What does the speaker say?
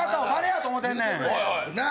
なあ。